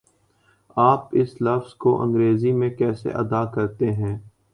آپ اس لفظ کو انگریزی میں کیسے ادا کرتےہیں؟